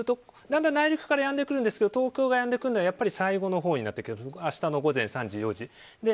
だんだん、内陸からやんでくるんですが東京がやんでくるのは最後のほうになってきて明日の午前３時、４時。